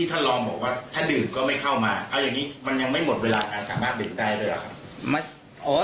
แต่ก็คิดว่าเป็นใครหรอก